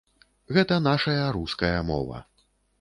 Гэта нашая руская мова.